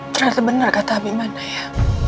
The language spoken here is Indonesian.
ternyata bener kata abimana ya